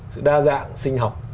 sự đa dạng sinh học